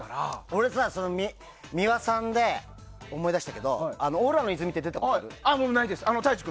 俺、美輪さんで思い出したけど「オーラの泉」って出たことある？